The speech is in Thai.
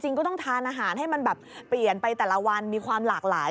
ก็ต้องทานอาหารให้มันแบบเปลี่ยนไปแต่ละวันมีความหลากหลาย